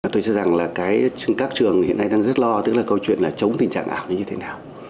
tôi cho rằng là các trường hiện nay đang rất lo tức là câu chuyện là chống tình trạng ảo như thế nào